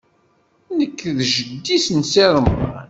Nekk d jeddi-s n Si Remḍan.